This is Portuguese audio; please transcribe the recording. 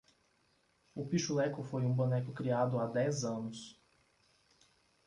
O pixuleco foi um boneco criado há dez anos